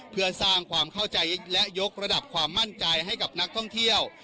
เพื่อสร้างความเข้าใจและยกระดับความมั่นใจให้กับนักท่องเที่ยว